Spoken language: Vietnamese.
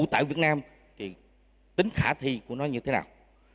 thì tính khả thi của nó như thế nào